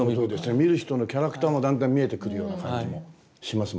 見る人のキャラクターもだんだん見えてくるような感じもしますもんね。